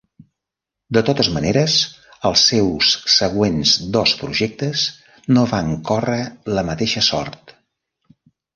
De totes maneres, els seus següents dos projectes no van córrer la mateixa sort.